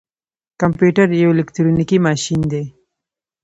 کمپيوټر يو اليکترونيکي ماشين دی.